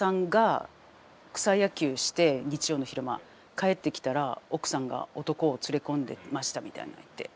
帰ってきたら奥さんが男を連れ込んでましたみたいな言って。